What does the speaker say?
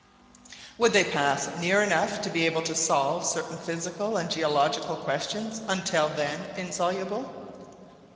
Would they pass near enough to be able to solve certain physical and geological questions until then insoluble?